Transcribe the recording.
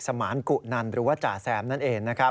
สมานกุนั้นหรือว่าจแซมนั่นเอง